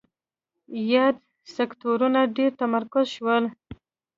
یاد سکتورونه ډېر متمرکز شول.